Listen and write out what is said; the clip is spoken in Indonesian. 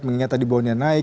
mengingat tadi bond nya naik